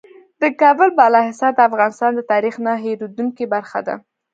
د کابل بالا حصار د افغانستان د تاریخ نه هېرېدونکې برخه ده.